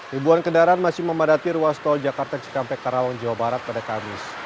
ribuan kendaraan masih memadati ruas tol jakarta cikampek karawang jawa barat pada kamis